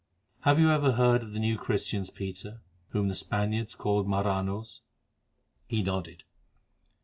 "Have you ever heard of the new Christians, Peter, whom the Spaniards call Maranos?" He nodded.